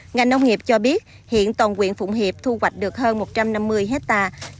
ngành nông nghiệp cho biết hiện toàn quyện phụng hiệp thu hoạch được hơn một trăm năm mươi hectare